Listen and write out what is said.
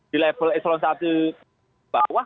di level eselon satu bawah